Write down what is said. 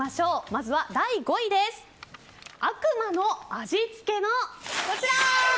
まずは第５位悪魔の味付けのこちら。